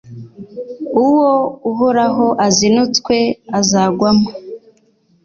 uwo Uhoraho azinutswe azagwamo